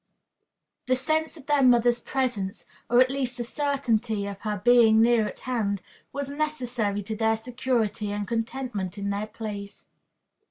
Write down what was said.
The sense of their mother's presence, or at least the certainty of her being near at hand, was necessary to their security and contentment in their plays.